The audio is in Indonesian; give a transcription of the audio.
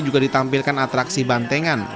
juga ditampilkan atraksi bantengan